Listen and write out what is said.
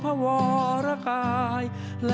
เพลงเพลง